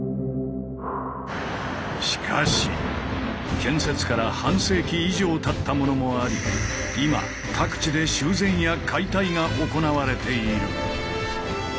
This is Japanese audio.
しかし建設から半世紀以上たったものもあり今各地で修繕や解体が行われている。